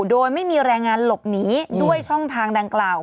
โดยไม่มีแรงงานหลบหนีด้วยช่องทางดังกล่าว